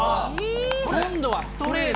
今度はストレート。